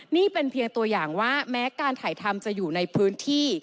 นี่เป็นเพียงตัวอย่างว่าแม้การถ่ายทำจะอยู่ในพื้นที่